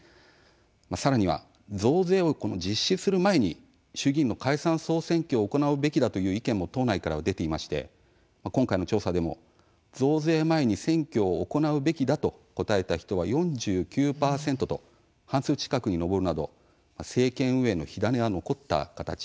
さらには増税を実施する前に衆議院の解散・総選挙を行うべきだという意見も党内からは出ていまして今回の調査でも増税前に選挙を「行うべきだ」と答えた人は４９％と半数近くに上るなど政権運営の火種は残った形なんです。